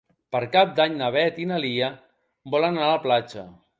Per Cap d'Any na Beth i na Lia volen anar a la platja.